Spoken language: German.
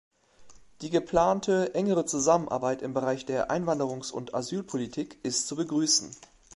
Die geplante engere Zusammenarbeit im Bereich der Einwanderungs- und Asylpolitik ist zu begrüßen.